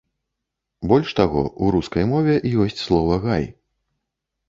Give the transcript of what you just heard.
Больш таго, у рускай мове ёсць слова гай.